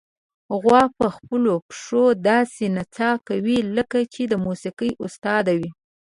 غوا په خپلو پښو داسې نڅا کوي، لکه چې د موسیقۍ استاد وي.